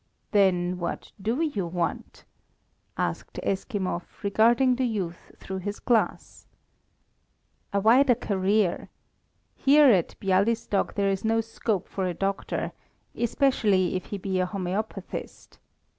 "Then what do you want?" asked Eskimov, regarding the youth through his glass. "A wider career. Here at Bialystok there is no scope for a doctor, especially if he be a homœopathist.